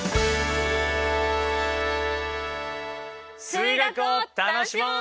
数学を楽しもう！